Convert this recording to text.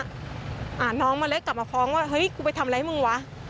อ่าน้องเมเล็กกลับมาฟ้องว่าเฮ้ยกูไปทำอะไรให้มึงวะ